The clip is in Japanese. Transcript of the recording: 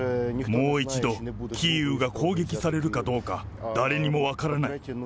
もう一度、キーウが攻撃されるかどうか、誰にも分からない。